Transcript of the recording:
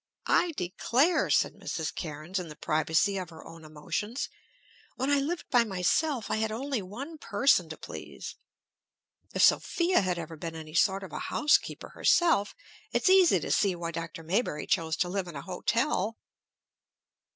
"I declare," said Mrs. Cairnes, in the privacy of her own emotions, "when I lived by myself I had only one person to please! If Sophia had ever been any sort of a housekeeper herself it's easy to see why Dr. Maybury chose to live at a hotel!"